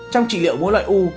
trong trị liệu mỗi loại u